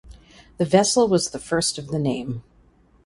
The vessel was the first of the name.